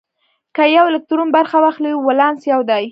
که یو الکترون برخه واخلي ولانس یو دی.